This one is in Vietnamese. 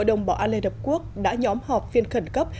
hội đồng bảo an lê đập quốc đã nhóm họp với các thành viên khẩn cấp